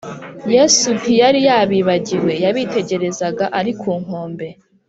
yesu ntiyari yabibagiwe yabitegerezaga ari ku nkombe,